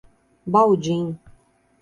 Baldim